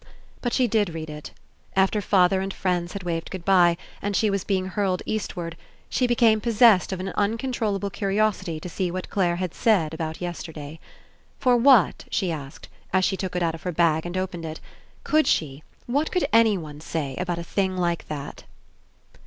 But she did read it. After father and friends had waved good bye, and she was be ing hurled eastward, she became possessed of an uncontrollable curiosity to see what Clare had said about yesterday. For what, she asked, as she took it out of her bag and opened it, 8i PASSING could she, what could anyone, say about a thing like that?